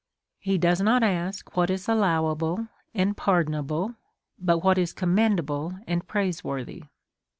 He does not ask what is allowable and pardon able, but what is commendable and praiseworthy.